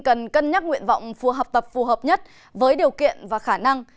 cần cân nhắc nguyện vọng phù hợp tập phù hợp nhất với điều kiện và khả năng